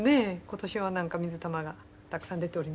今年はなんか水玉がたくさん出ております。